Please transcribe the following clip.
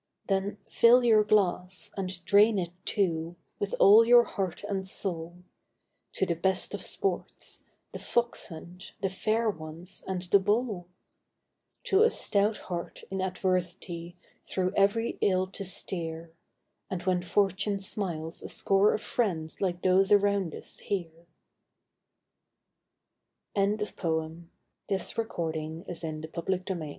Then fill your glass, and drain it, too, with all your heart and soul, To the best of sports The Fox hunt, The Fair Ones, and The Bowl, To a stout heart in adversity through every ill to steer, And when Fortune smiles a score of friends like those around us here. To a Proud Beauty "A Valentine" Though I have loved you well